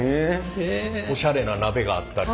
おしゃれな鍋があったりとか。